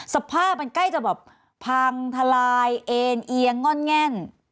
สภาพมันใกล้จะแบบพังทลายเอ็นเอียงง่อนแง่น